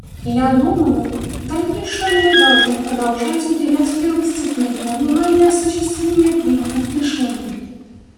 Я думаю, в дальнейшем мы должны продолжать уделять первостепенное внимание осуществлению принятых решений.